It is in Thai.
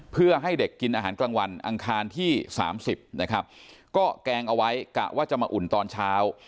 เพื่อให้เด็กกินอาหารกลางวันอังคารที่สามสิบนะครับก็แกงเอาไว้กะว่าจะมาอุ่นตอนเช้า